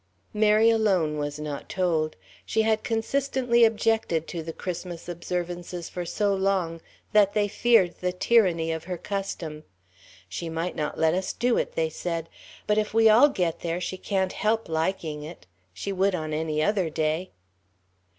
Mary alone was not told. She had consistently objected to the Christmas observances for so long that they feared the tyranny of her custom. "She might not let us do it," they said, "but if we all get there, she can't help liking it. She would on any other day...."